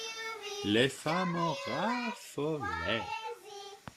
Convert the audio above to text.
Les femmes en raffolèrent.